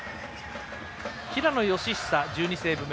平野佳寿、１２セーブ目。